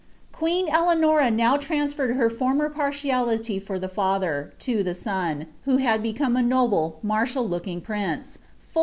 Qjueen Eleanora now transferred her former paitiality for the &ther, to the son, who had become a noble, martial looking prince, fill!